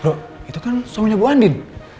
loh itu kan suaminya bu andin